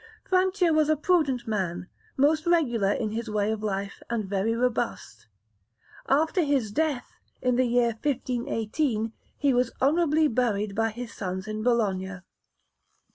Francia was a prudent man, most regular in his way of life, and very robust. After his death, in the year 1518, he was honourably buried by his sons in Bologna.